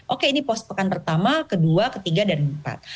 oke ini pos pekan pertama kedua ketiga dan empat